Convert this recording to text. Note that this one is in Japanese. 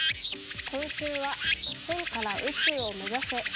今週は「辺から宇宙を目指せ！」です。